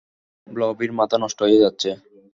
ব্লবির মাথা নষ্ট হয়ে যাচ্ছে।